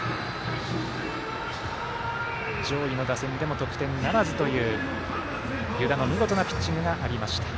上位の打線でも得点ならずという湯田の見事なピッチングがありました。